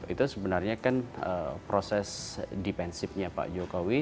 itu sebenarnya kan proses dipensifnya pak jokowi